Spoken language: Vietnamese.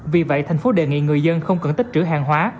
vì vậy thành phố đề nghị người dân không cần tích trữ hàng hóa